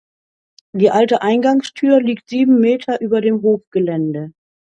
Die alte Eingangstür liegt sieben Meter über dem Hofgelände.